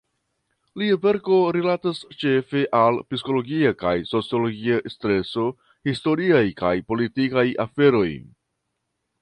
Lia verko rilatas ĉefe al psikologia kaj sociologia streso, historiaj kaj politikaj aferoj.